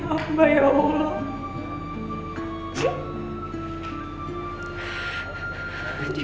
ada rumah ini